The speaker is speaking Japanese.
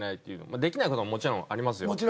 できない事はもちろんありますよ。